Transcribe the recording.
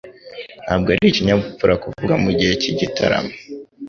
Ntabwo ari ikinyabupfura kuvuga mugihe cy'igitaramo.